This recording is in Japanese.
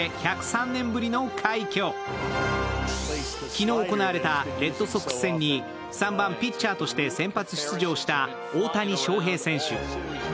昨日行われたレッドソックス戦に３番・ピッチャーとして先発出場した大谷翔平選手。